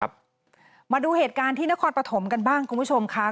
มาดูเหตุการณ์ที่นครปฐมกันบ้างคุณผู้ชมค่ะ